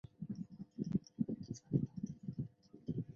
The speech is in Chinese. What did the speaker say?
这也是浙江省唯一位于县级的国家一类口岸。